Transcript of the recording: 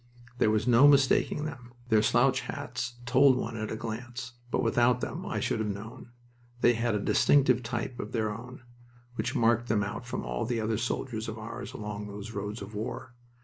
There was no mistaking them. Their slouch hats told one at a glance, but without them I should have known. They had a distinctive type of their own, which marked them out from all other soldiers of ours along those roads of war.